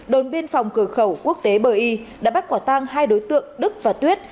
đồn biên phòng cửa khẩu quốc tế bờ y đã bắt quả tang hai đối tượng đức và tuyết